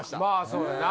そうやな